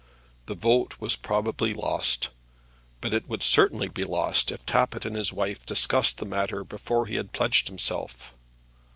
The vote was probably lost; but it would certainly be lost if Tappitt and his wife discussed the matter before he had pledged himself.